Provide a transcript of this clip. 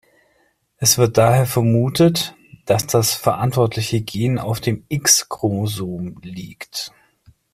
Es wird daher vermutet, dass das verantwortliche Gen auf dem X-Chromosom liegt.